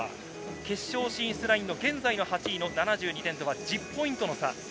決勝進出ラインの現在の８位の７２点とは１０ポイントの差。